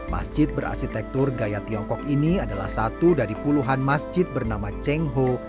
masjid berasitektur gaya tiongkok ini adalah satu dari puluhan masjid bernama cheng ho